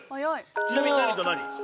ちなみに何と何？